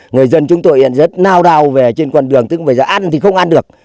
người dân chúng tôi rất nao đao về trên quần đường tức bây giờ ăn thì không ăn được